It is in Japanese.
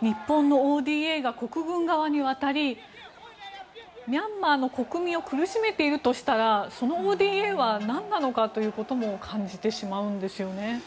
日本のＯＤＡが国軍側に渡りミャンマーの国民を苦しめているとしたらそのＯＤＡはなんなのかということも感じてしまうんですよね。